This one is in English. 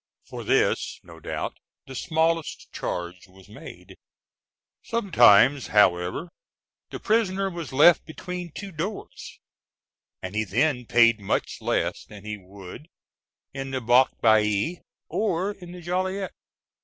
For this, no doubt, the smallest charge was made. Sometimes, however, the prisoner was left between two doors ("entre deux huis"), and he then paid much less than he would in the Barbarie or in the Gloriette.